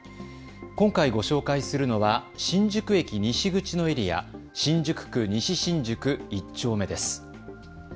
今回ご紹介するのは新宿駅西口のエリア、新宿区西新宿１丁目です。